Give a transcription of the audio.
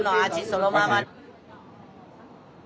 そのまま。